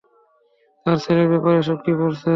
তার ছেলের ব্যাপারে এসব কী বলছে?